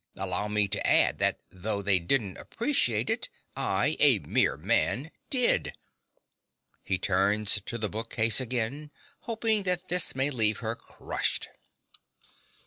Allow me to add that though they didn't appreciate it, I, a mere man, did. (He turns to the bookcase again, hoping that this may leave her crushed.)